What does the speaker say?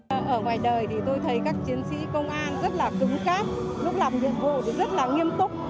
ở ngoài đời thì tôi thấy các chiến sĩ công an rất là cứng cáp lúc làm nhiệm vụ thì rất là nghiêm túc